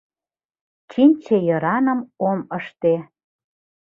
Чинче йыраным ом ыште.